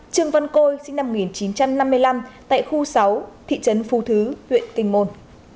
trương văn côi sinh năm một nghìn chín trăm năm mươi năm tại khu sáu thị trấn phú thứ huyện kinh môn